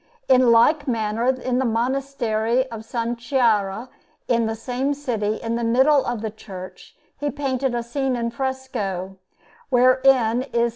In like manner, in the Monastery of S. Chiara in the same city, in the middle of the church, he painted a scene in fresco, wherein is S.